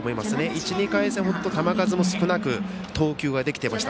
１、２回戦も球数も少なく投球ができていました。